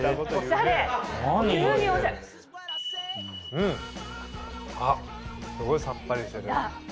うん！あっすごいさっぱりしてるねっ。